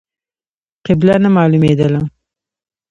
قبله نه مالومېدله.